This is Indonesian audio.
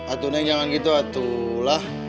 atuh neng jangan gitu atuh lah